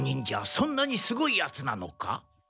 そんなにすごいヤツなのか？